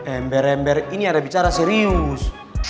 ember ember ini ada bicara serius